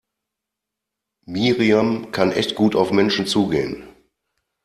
Miriam kann echt gut auf Menschen zugehen.